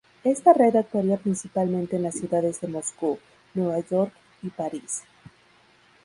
Esta red actuaría principalmente en las ciudades de Moscú, Nueva York y París.